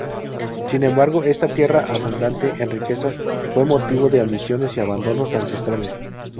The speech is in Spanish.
Sin embargo esta tierra abundante en riquezas, fue motivo de ambiciones y abandonos ancestrales.